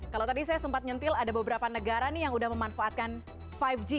kalau tadi saya sempat nyentil ada beberapa negara nih yang udah memanfaatkan lima g